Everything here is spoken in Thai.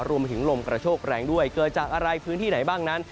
รวมไปถึงลมกระโชกแรงด้วยเกิดจากอะไรพื้นที่ไหนบ้างนั้น